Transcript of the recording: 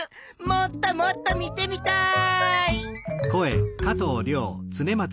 もっともっと見てみたい！